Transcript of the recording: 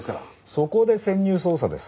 そこで潜入捜査です。